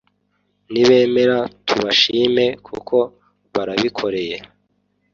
nibemere tubashime kuko barabikoreye